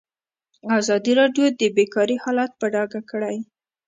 ازادي راډیو د بیکاري حالت په ډاګه کړی.